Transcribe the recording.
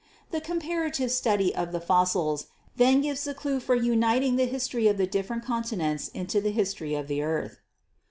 The com parative study of the fossils then gives the clue for uniting 200 GEOLOGY the history of the different continents into the history of the earth.